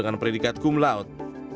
dengan predikat kumlaut